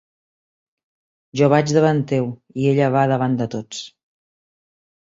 Jo vaig davant teu, i ella va al davant de tots.